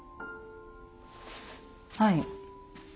はい。